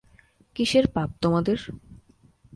কিসের পাপ তোমাদের?